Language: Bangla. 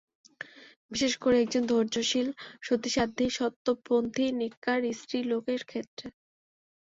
বিশেষ করে একজন ধৈর্যশীল সতী-সাধ্বী, সত্যপন্থী নেককার স্ত্রী লোকের ক্ষেত্রে।